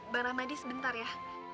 barang medis sebentar ya